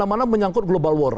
ini mana mana menyangkut global war